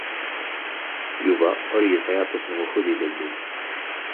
Yuba ur yesɛi aṭas n wakud ilelli.